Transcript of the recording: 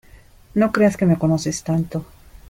no creas que me conoces tanto.